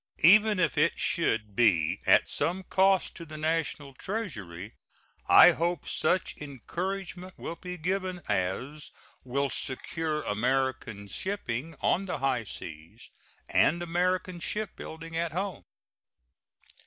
Even if it should be at some cost to the National Treasury, I hope such encouragement will be given as will secure American shipping on the high seas and American shipbuilding at home.